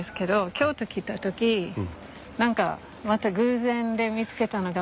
京都来た時何かまた偶然で見つけたのが不思議だったよね。